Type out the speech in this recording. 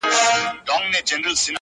ستا پیغام به د بڼو پر څوکو وړمه!